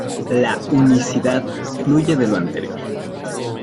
La unicidad fluye de lo anterior.